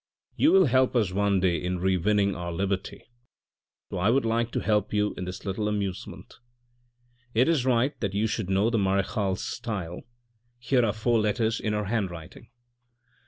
" You will help us one day in re winning our liberty, so I would like to help you in this little amusement. It is right that you should know the marechale's style ; here are four letters in her hand writing."